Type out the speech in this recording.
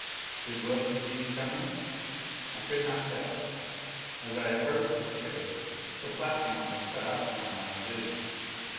Did Wilks see me coming? I could not tell. As I approached the stairs the platform was cut off from my line of vision.